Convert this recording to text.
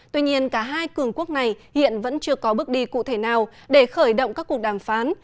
tuy nhiên cả hai cường quốc này hiện vẫn chưa có bước đi cụ thể nào để khởi động các cuộc đàm phán